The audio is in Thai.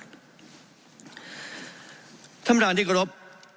ท่านพิจารณาดิกรพ